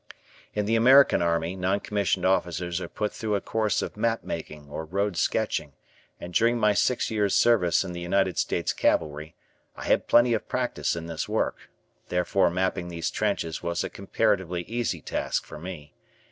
In the American army non commissioned officers are put through a course of map making or road sketching, and during my six years' service in the United States Cavalry, I had plenty of practice in this work, therefore mapping these trenches was a comparatively easy task for me.